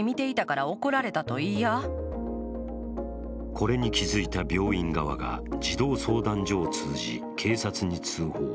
これに気付いた病院側が児童相談所を通じ警察に通報。